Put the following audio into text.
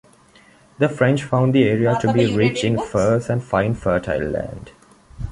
The French found the area to be rich in furs and fine fertile land.